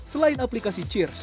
selain aplikasi cheers